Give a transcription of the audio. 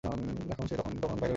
এখন সে যখন তখন বাহির হইয়া যায়।